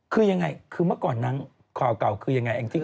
คือยังไงคือเมื่อก่อนนางข่าวเก่าคือยังไง